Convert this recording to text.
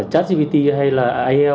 chách gbt hay là ai